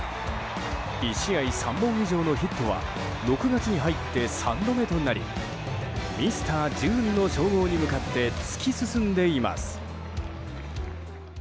１試合３本以上のヒットは６月に入って３度目となりミスタージューンの称号に向かって、突き進んでいます。